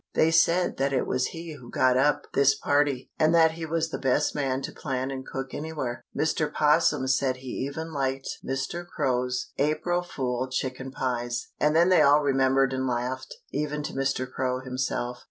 They said that it was he who had got up this party, and that he was the best man to plan and cook anywhere. Mr. 'Possum said he even liked Mr. Crow's April fool chicken pies, and then they all remembered and laughed, even to Mr. Crow himself.